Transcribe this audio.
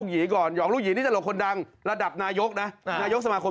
ยองลูกหยี่ก่อนยองลูกหยี่นี่นี่จะหลอกคนดังระดับนายกนะนะยกสมาคม